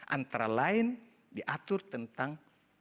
antara lain diatur tentang